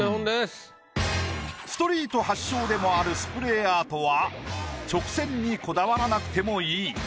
ストリート発祥でもあるスプレーアートは直線にこだわらなくてもいい。